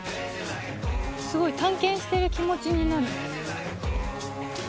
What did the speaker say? すごい探検してる気持ちになるね。